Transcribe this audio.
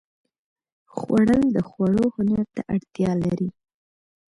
خوړل د خوړو هنر ته اړتیا لري